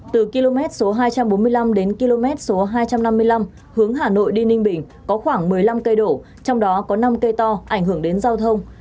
từ km số hai trăm bốn mươi năm đến km số hai trăm năm mươi năm hướng hà nội đi ninh bình có khoảng một mươi năm cây đổ trong đó có năm cây to ảnh hưởng đến giao thông